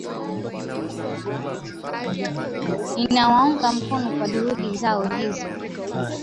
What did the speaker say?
Ninawaunga mkono kwa juhudi zao hizo